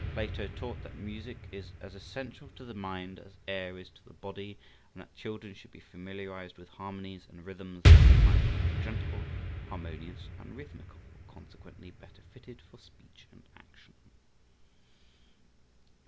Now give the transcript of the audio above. Plato taught that music is as essential to the mind as air is to the body, and that children should be familiarized with harmonies and rhythms that they might be more gentle, harmonious and rhythmical, consequently better fitted for speech and action.